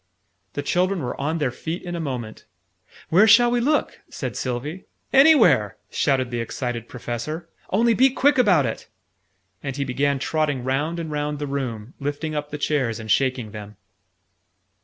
The children were on their feet in a moment. "Where shall we look?" said Sylvie. "Anywhere!" shouted the excited Professor. "Only be quick about it!" And he began trotting round and round the room, lifting up the chairs, and shaking them.